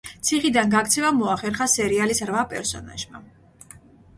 ციხიდან გაქცევა მოახერხა სერიალის რვა პერსონაჟმა.